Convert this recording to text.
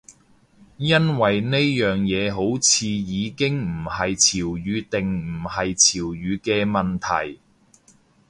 因為呢樣嘢好似已經唔係潮語定唔係潮語嘅問題